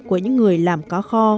của những người làm cá kho